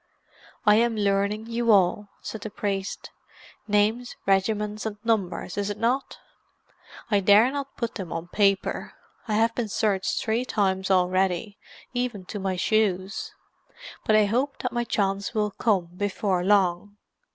"I am learning you all," said the priest, "names, regiments, and numbers is it not? I dare not put them on paper: I have been searched three times already, even to my shoes. But I hope that my chance will come before long.